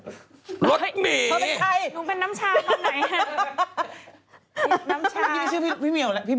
รถเมเธอเป็นใครหนูเป็นน้ำชาตอนไหนอ่ะน้ำชามีชื่อพี่เหมียวแหละ